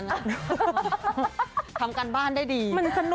อันแต่อยู่ช่วงนี้เนอะ